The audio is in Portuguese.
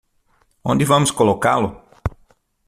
Onde vamos colocá-lo?